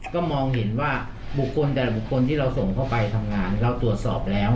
ก็มองเห็นว่าบุคคลแต่ละบุคคลที่เราส่งเข้าไปทำงานเราตรวจสอบแล้ว